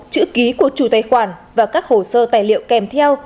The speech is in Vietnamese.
chữ ký của chủ tài khoản và các hồ sơ tài liệu kèm theo